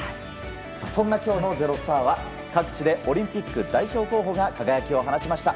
そんな今日の「＃ｚｅｒｏｓｔａｒ」は各地でオリンピック代表候補が輝きを放ちました。